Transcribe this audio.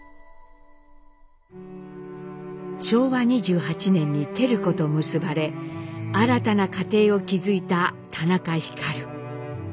昭和２８年に照子と結ばれ新たな家庭を築いた田中皓。